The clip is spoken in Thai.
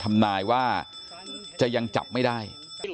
ทำนายว่าจะยังจับไม่ได้